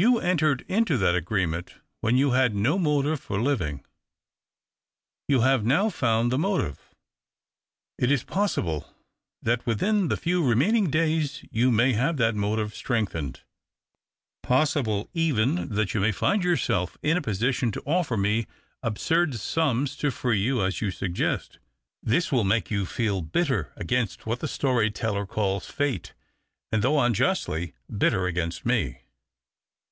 You entered into that agreement when you had no motive for living — you have now found the motive. It is possible that within the few remaining days you may have that motive strengthened — possible, even, that you may find yourself in a position to offer me absurd sums to free you, as you suggest. This will make you feel bitter against what the story teller calls fate, and, though unjustly, bitter against me.